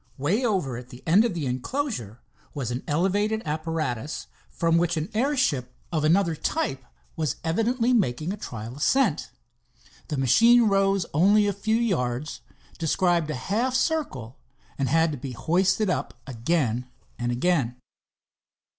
Way over at the end of the enclosure was an elevated apparatus, from which an airship of another type was evidently making a trial ascent. The machine rose only a few yards, described a half circle, and had to be hoisted up again and again.